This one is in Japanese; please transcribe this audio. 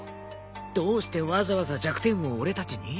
どうしてわざわざ弱点を俺たちに？